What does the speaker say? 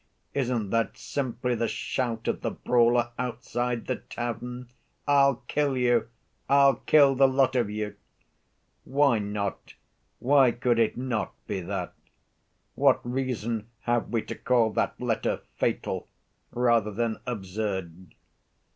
Isn't that simply the shout of the brawler outside the tavern, 'I'll kill you! I'll kill the lot of you!' Why not, why could it not be that? What reason have we to call that letter 'fatal' rather than absurd?